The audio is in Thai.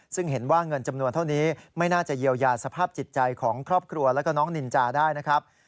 ซึ่งเห็นว่าเงินจำนวนเท่านี้ไม่น่าจะเยียวยาสภาพจิตใจของครอบครัวแล้วก็น้องนินจาได้นะครับ